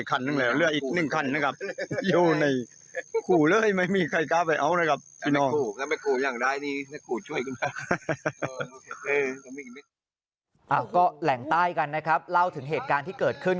ก็แหลงใต้กันนะครับเล่าถึงเหตุการณ์ที่เกิดขึ้น